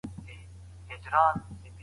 د ميرمني د دې ستري قربانۍ بايد قدر وسي.